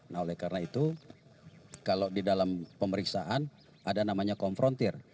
nah oleh karena itu kalau di dalam pemeriksaan ada namanya konfrontir